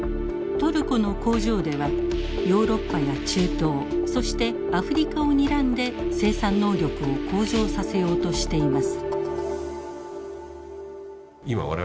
トルコの工場ではヨーロッパや中東そしてアフリカをにらんで生産能力を向上させようとしています。